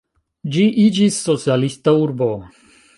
Ĝi iĝis socialista urbo.